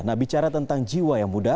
nah bicara tentang jiwa yang muda